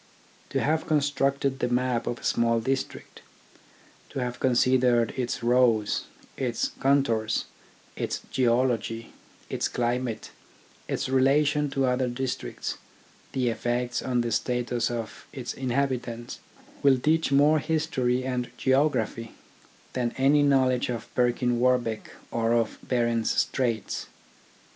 To have constructed the map of a small district, to have considered its roads, its con tours, its geology, its climate, its relation to other districts, the effects on the status of its inhabi tants, will teach more history and geography than any knowledge of Perkin Warbeck or of Behren's Straits.